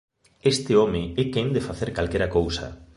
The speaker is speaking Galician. Este home é quen de facer calquera cousa.